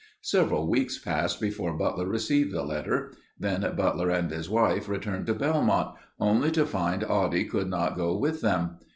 Several weeks passed before Butler received the letter. Then Butler and his wife returned to Belmont only to find Oddie could not go with them.